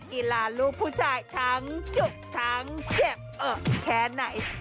กีฬาลูกผู้ชายทั้งจุกทั้งเจ็บเออแค่ไหน